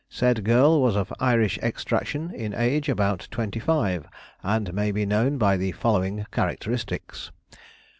Said girl was of Irish extraction; in age about twenty five, and may be known by the following characteristics.